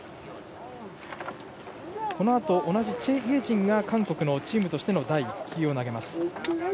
このあと同じチェ・イェジンが韓国のチームとしての第１球を投げます。